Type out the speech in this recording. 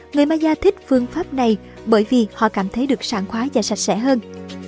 người maya thích phương pháp này bởi vì họ cảm thấy được sảng khoái và sạch sẽ hơn